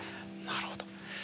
あなるほど。